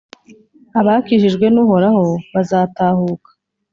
Abakijijwe n’Uhoraho bazatahuka,